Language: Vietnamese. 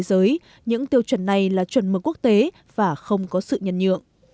giới những tiêu chuẩn này là chuẩn mực quốc tế và không có sự nhận nhượng